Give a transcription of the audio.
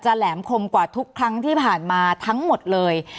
แหลมคมกว่าทุกครั้งที่ผ่านมาทั้งหมดเลย